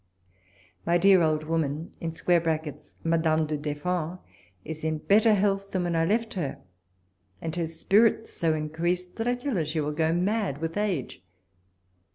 My dear old woman [Madame du Deffand] is in better health than when I left her, and her spirits so increased, that I tell her she will go mad with age.